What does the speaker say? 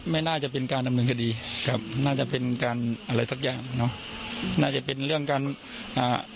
ไม่น่าจะเป็นการดำเนินคดีครับน่าจะเป็นการอะไรสักอย่างเนอะน่าจะเป็นเรื่องการอ่า